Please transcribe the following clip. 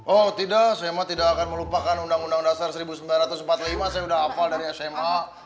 oh tidak sma tidak akan melupakan undang undang dasar seribu sembilan ratus empat puluh lima saya sudah hafal dari sma